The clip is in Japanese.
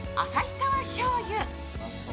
旭川しょうゆ。